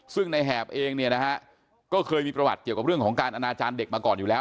ซึ่งในแหบเองเนี่ยนะฮะก็เคยมีประวัติเกี่ยวกับเรื่องของการอนาจารย์เด็กมาก่อนอยู่แล้ว